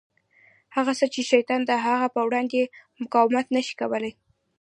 هغه څه چې شیطان د هغه په وړاندې مقاومت نه شي کولای.